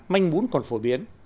manh bún còn phổ biến